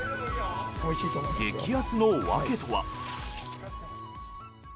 激安の訳とは。